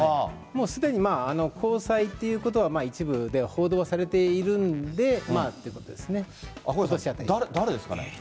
もうすでに交際ということは、一部では報道されているんで、誰ですかね。